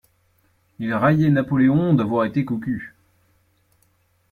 Il raillait Napoléon d'avoir été cocu.